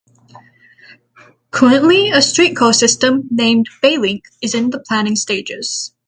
Currently, a streetcar system, named 'Baylink' is in the planning stages.